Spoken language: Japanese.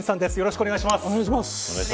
よろしくお願いします。